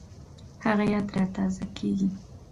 هغه یاد را تازه کېږي